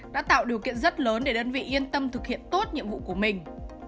đã tạo điều kiện rất lớn để đơn vị yên tâm thực hiện tốt nhiệm vụ của mình